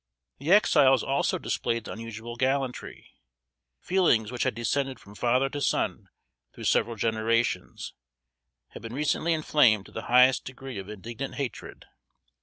The Exiles also displayed unusual gallantry. Feelings which had descended from father to son through several generations, had been recently inflamed to the highest degree of indignant hatred.